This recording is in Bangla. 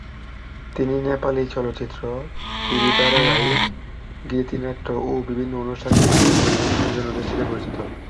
তিনি নেপালি চলচ্চিত্র, টিভি ধারাবাহিক, গীতিনাট্য ও বিভিন্ন অনুষ্ঠানে নৃত্য পরিবেশনের জন্য দেশটিতে পরিচিত।